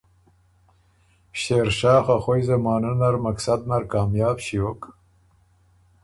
شېرشاه خه خوئ زمانه نر مقصد نر کامیاب ݭیوک